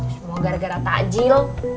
semua gara gara takjil